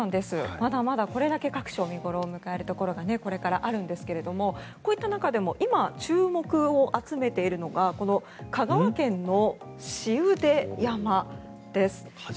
まだまだこれだけ各所見頃を迎えるところがあるんですがこういった中でも今、注目を集めているのがこの香川県の紫雲出山です。